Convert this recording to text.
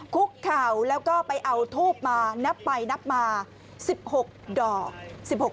คุกเข่าแล้วก็ไปเอาทูบมานับไปนับมา๑๖ดอก